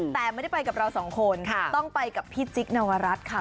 แต่ไม่ได้ไปกับเราสองคนต้องไปกับพี่จิ๊กนวรัฐค่ะ